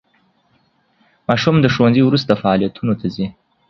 ماشوم د ښوونځي وروسته فعالیتونو ته ځي.